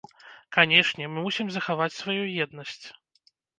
Канешне, мы мусім захаваць сваю еднасць.